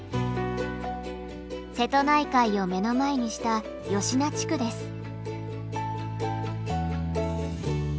瀬戸内海を目の前にした吉名地区です。